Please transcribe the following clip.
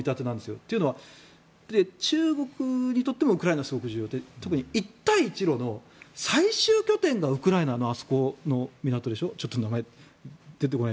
というのは中国にとってもウクライナはすごく重要で、特に一帯一路の最終拠点がウクライナの港でしょ。